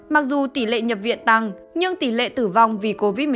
mặc dù tỉ lệ nhập viện tăng nhưng tỉ lệ tử vong vì covid một mươi chín sẽ tăng hơn